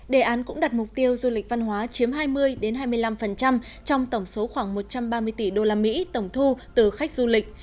đề án cũng đặt mục tiêu du lịch văn hóa chiếm hai mươi hai mươi năm trong tổng số khoảng một trăm ba mươi tỷ usd tổng thu từ khách du lịch